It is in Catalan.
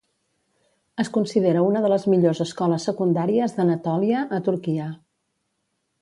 Es considera una de les millors escoles secundàries d'Anatòlia a Turquia.